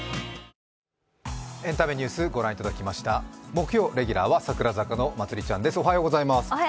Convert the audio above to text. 木曜レギュラーは櫻坂のまつりちゃんです。